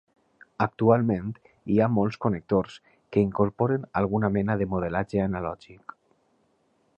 Actualment, hi ha molts connectors que incorporen alguna mena de modelatge analògic.